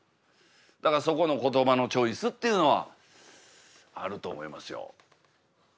だからそこの言葉のチョイスというのはあると思いますよ。